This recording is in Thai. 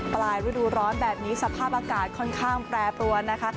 ปลายฤดูร้อนแบบนี้สภาพอากาศค่อนข้างแปรปรวนนะคะ